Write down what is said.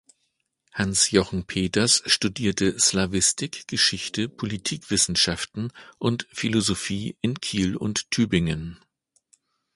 Hans Jochen Peters studierte Slawistik, Geschichte, Politikwissenschaften und Philosophie in Kiel und Tübingen.